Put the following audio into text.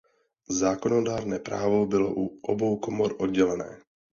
Zákonodárné právo bylo u obou komor oddělené.